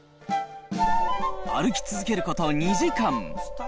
歩き続けること２時間。